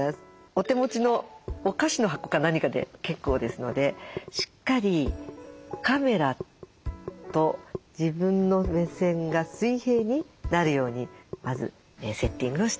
お手持ちのお菓子の箱か何かで結構ですのでしっかりカメラと自分の目線が水平になるようにまずセッティングをしてください。